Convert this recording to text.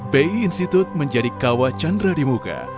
b i institute menjadi kawah candera di muka